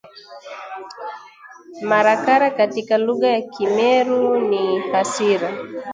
Marakara katika lugha ya Kimeru ni hasira